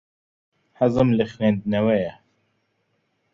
حەزم لە خوێندنەوەیە.